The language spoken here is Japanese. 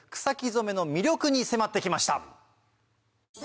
染めの魅力に迫って来ました。